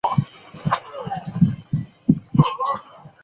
两队在进入决赛之前各自淘汰了数支历届冠军球队。